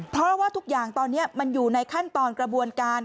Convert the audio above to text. เพราะว่าทุกอย่างตอนนี้มันอยู่ในขั้นตอนกระบวนการ